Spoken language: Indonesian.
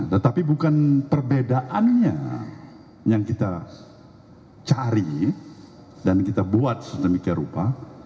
tetapi bukan perbedaannya yang kita cari dan kita buat sedemikian rupa